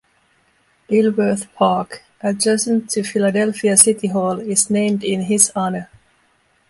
Dilworth Park, adjacent to Philadelphia City Hall, is named in his honor.